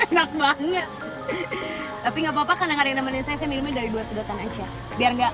enak banget tapi nggak papa karena karena meninjau saya milihnya dari dua sedotan aja biar enggak